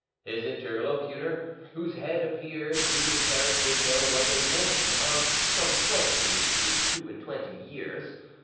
His interlocutor, whose head appeared through the carriage window, was a woman of from twenty to two and twenty years.